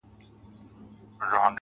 عجب راگوري د خوني سترگو څه خون راباسـي,